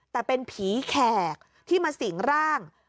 แต่เป็นผีแขกที่มาสิงร่าง